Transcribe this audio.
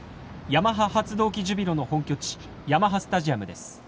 ヤマハ発動機ジュビロの本拠地ヤマハスタジアムです。